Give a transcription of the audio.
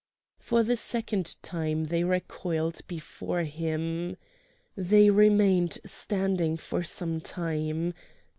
For the second time they recoiled before him. They remained standing for some time.